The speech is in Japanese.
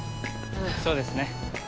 そうですね。